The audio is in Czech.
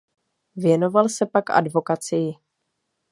Věnoval se pak advokacii.